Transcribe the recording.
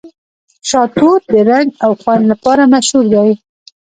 شاه توت د رنګ او خوند لپاره مشهور دی.